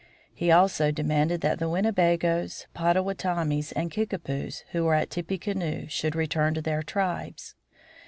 He also demanded that the Winnebagoes, Pottawottomies and Kickapoos who were at Tippecanoe should return to their tribes.